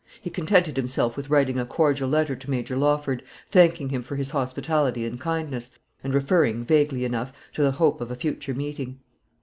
He contented himself with writing a cordial letter to Major Lawford, thanking him for his hospitality and kindness, and referring, vaguely enough, to the hope of a future meeting.